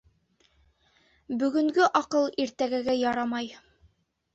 Бөгөнгө аҡыл иртәгәгә ярамай.